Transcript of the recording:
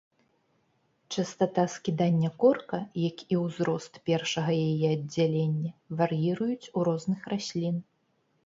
Частата скідання корка, як і ўзрост першага яе аддзялення, вар'іруюць у розных раслін.